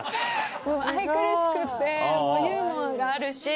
もう愛くるしくてユーモアがあるし。